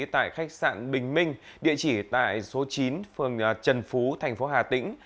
tại khách sạn bình minh địa chỉ tại số chín phường trần phú thành phố hà tĩnh